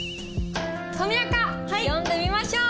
とみあか読んでみましょう！